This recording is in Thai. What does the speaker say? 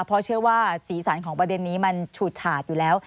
เพราะเชื่อว่าสีสันของประเด็นนี้มันฉูดฉาดอยู่แล้ว